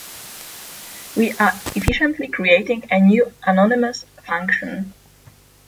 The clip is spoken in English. we are effectively creating a new anonymous function